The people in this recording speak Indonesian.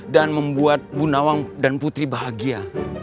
dan membuat bu nawang dan putri bahagia